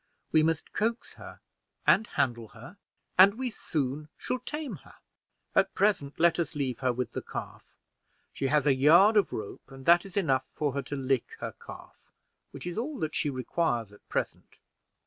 We must coax her and handle her, and we soon shall tame her. At present let us leave her with the calf. She has a yard of rope, and that is enough for her to lick her calf, which is all that she requires at present.